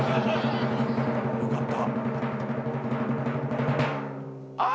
よかった。